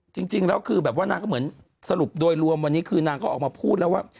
จริงแล้วคือแบบว่านางก็เหมือนสรุปโดยรวมวันนี้คือนางก็ออกมาพูดแล้วว่า